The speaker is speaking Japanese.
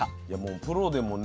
プロでもね